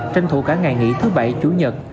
tranh thủ cả ngày nghỉ thứ bảy chủ nhật